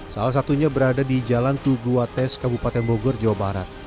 salah satunya berada di jalan tuguates kabupaten bogor jawa barat